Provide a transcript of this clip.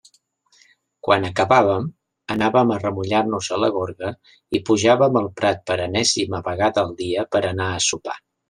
Quan acabàvem, anàvem a remullar-nos a la gorga, i pujàvem el prat per enèsima vegada al dia per a anar a sopar.